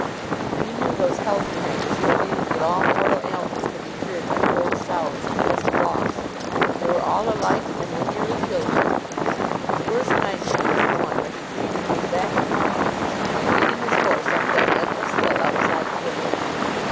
He knew those health cranks who believed that all mortal ailments could be cured by cold showers and brisk walks. They were all alike and they nearly killed you. His worst nightmare was the one where he dreamed he was back at Muldoon's, leading his horse up that endless hill outside the village.